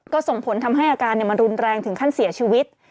ก็ส่งผลทำให้อาการมันรุนแรงถึงขั้นเสียชีวิต